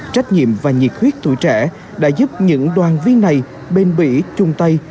trách nhiệm và nhiệt huyết tuổi trẻ đã giúp những đoàn viên này bền bỉ chung tay